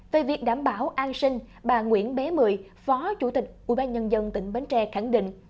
về việc đảm bảo an sinh bà nguyễn bé mười phó chủ tịch ubnd tỉnh bến tre khẳng định